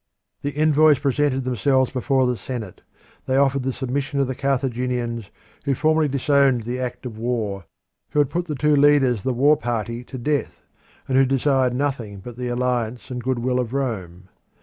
The envoys presented themselves before the Senate; they offered the submission of the Carthaginians, who formally disowned the act of war, who had put the two leaders of the war party to death, and who desired nothing but the alliance and goodwill of Rome.